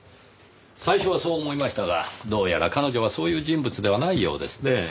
最初はそう思いましたがどうやら彼女はそういう人物ではないようですねぇ。